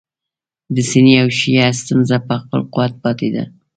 د سني او شیعه ستونزه په خپل قوت پاتې ده.